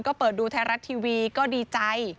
ก็เปิดดูไทยรัฐทีวีก็ดีใจ